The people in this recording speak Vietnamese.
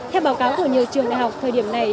theo báo cáo của nhiều trường đại học thời điểm này